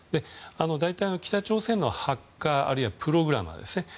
大体、北朝鮮のハッカーあるいはプログラマーですね。